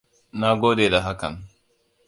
Na gode da hakan.